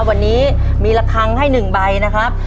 วันนี้มีละครั้งให้๑ใบนะครับ